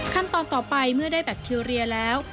ขั้นตอนต่อไปเมื่อได้แบคทีเรียแล้ว